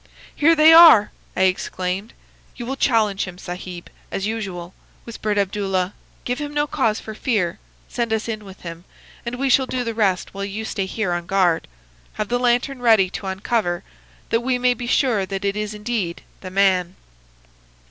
"'Here they are!' I exclaimed. "'You will challenge him, Sahib, as usual,' whispered Abdullah. 'Give him no cause for fear. Send us in with him, and we shall do the rest while you stay here on guard. Have the lantern ready to uncover, that we may be sure that it is indeed the man.